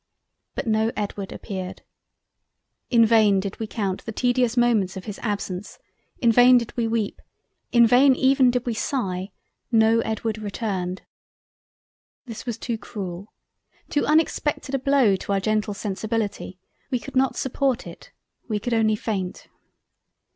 But no Edward appeared. In vain did we count the tedious moments of his absence—in vain did we weep—in vain even did we sigh—no Edward returned—. This was too cruel, too unexpected a Blow to our Gentle Sensibility—we could not support it—we could only faint.